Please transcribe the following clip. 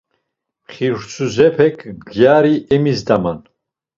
Mxirsuzepek gyari emizdaman.